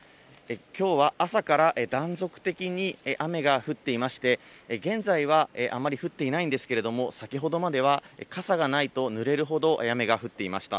きょうは朝から断続的に雨が降っていまして、現在はあんまり降っていないんですけれども、先ほどまでは傘がないとぬれるほど、雨が降っていました。